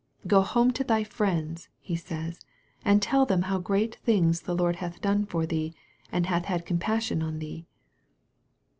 u Go home to thy friends," He says, " and tell them how great things the Lord hath done for thee, and hath had compassion on thee."